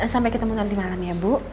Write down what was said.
sampai ketemu nanti malam ya bu